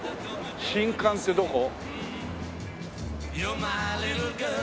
新館ってどこ？